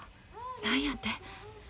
何やて？